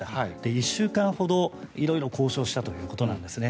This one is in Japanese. １週間ほど、色々交渉したということなんですね。